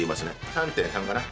３．３かな。